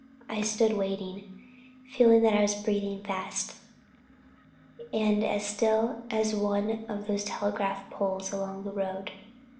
I stood waiting, feeling that I was breathing fast, and as still as one of the telegraph poles along the road.